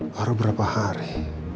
haru berapa hari